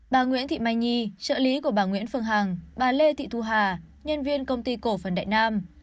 bà nguyễn thị mai nhi trợ lý của bà nguyễn phương hằng bà lê thị thu hà nhân viên công ty cổ phần đại nam